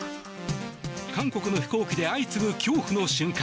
韓国の飛行機で相次ぐ恐怖の瞬間。